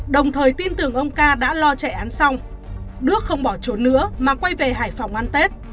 đồng thời tin tưởng ông ca đã lo chạy án xong đức không bỏ trốn nữa mà quay về hải phòng ăn tết